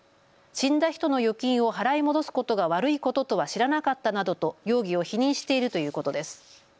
死んだ人の預金を払い戻すことが悪いこととは知らなかったなどと容疑を否認しているということです。